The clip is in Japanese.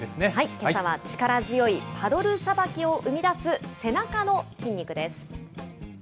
けさは力強いパドルさばきを生み出す背中の筋肉です。